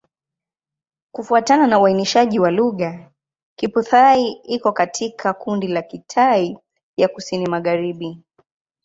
Kufuatana na uainishaji wa lugha, Kiphu-Thai iko katika kundi la Kitai ya Kusini-Magharibi.